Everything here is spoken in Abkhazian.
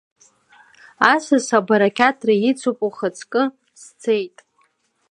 Асас абарақьаҭра ицуп, ухаҵкы сцеит.